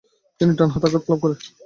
তিনি ডান হাতে আঘাত লাভ করেন।